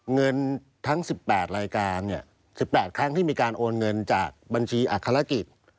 เงินทั้ง๑๘รายการ๑๘ครั้งที่มีการโอนเงินจากบัญชีอัครกิจ